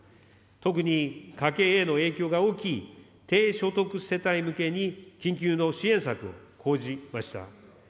特に家計への影響が大きい低所得世帯向けに、緊急の支援策を講じました。